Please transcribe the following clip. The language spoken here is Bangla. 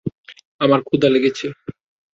আমায় ক্ষুধা লাগছে।